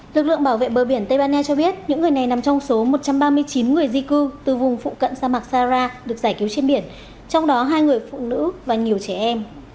lực lượng bảo vệ bờ biển tây ban nha cho biết những người này nằm trong số một trăm ba mươi chín người di cư từ vùng phụ cận sa mạc sahara được giải cứu trên biển trong đó hai người phụ nữ và nhiều trẻ em